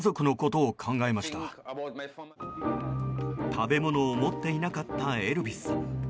食べ物を持っていなかったエルビスさん。